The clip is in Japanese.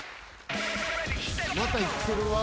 また行ってるわ。